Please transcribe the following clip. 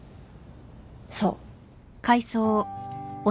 そう。